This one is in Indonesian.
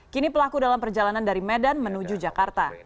kini pelaku dalam perjalanan dari medan menuju jakarta